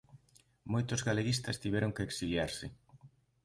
Moitos galeguistas tiveron que exiliarse.